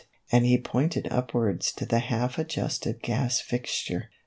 " and he pointed up wards to the half adjusted gas fixture.